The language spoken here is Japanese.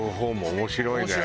面白いね。